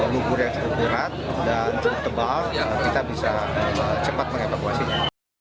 lumpur yang cukup berat dan cukup tebal kita bisa cepat mengevakuasinya